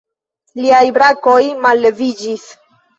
Liaj brakoj malleviĝis.